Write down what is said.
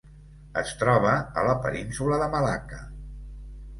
Es troba a la Península de Malacca.